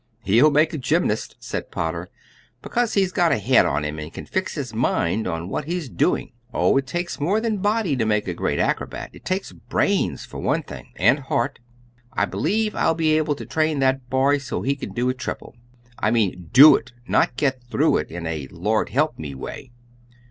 "He'll make a gymnast," said Potter, "because he's got a head on him, and can fix his mind on what he's doing. Oh, it takes more than body to make a great acrobat. It takes brains, for one thing, and heart. I believe I'll be able to train that boy so he can do a triple. I mean do it, not get through it in a Lord help me way.